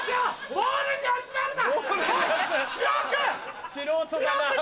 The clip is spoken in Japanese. ボールに集まるな！